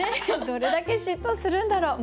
どれだけ嫉妬するんだろう？